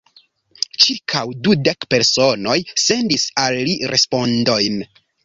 Ĉirkaŭ dudek personoj sendis al li respondojn.